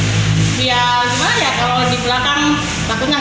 ya gimana ya kalau di belakang bagus